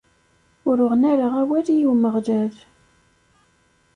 Ur uɣen ara awal i Umeɣlal.